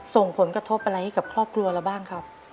ส่งผลกระทบอะไรให้กับครอบครัวเราบ้างครับ